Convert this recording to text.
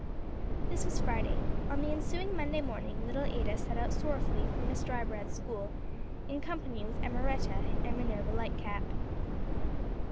This was Friday. On the ensuing Monday morning little Ada set out sorrowfully for Miss Drybread's school, in company with Emmaretta and Minerva Lightcap.